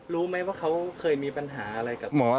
รู้ไหมว่าเขาเคยมีปัญหาอะไรกับหมอ